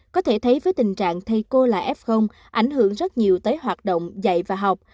có thể thấy với tình trạng thầy cô là f ảnh hưởng rất nhiều tới hoạt động dạy và học